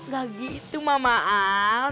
nggak gitu mama al